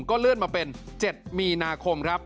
ก็เลื่อนมาเป็น๗มีนาคมครับ